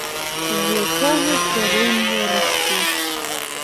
З якога карэння расце.